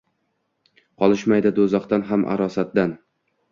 Qolishmaydi doʼzaxdan ham arosatdan